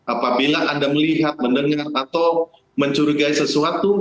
apabila anda melihat mendengar atau mencurigai sesuatu